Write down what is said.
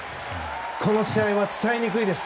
この試合は伝えにくいです。